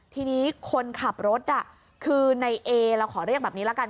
ทีนี้คนขับรถคือในเอเราขอเรียกแบบนี้ละกัน